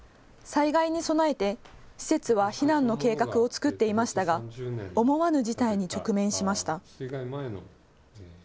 災害に備えて施設は避難の計画を作っていましたが思わぬ事態に直面しました。